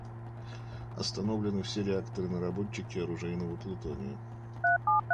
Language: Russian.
Остановлены все реакторы − наработчики оружейного плутония.